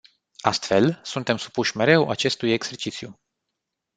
Astfel, suntem supuși mereu acestui exercițiu.